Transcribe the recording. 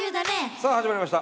さあ始まりました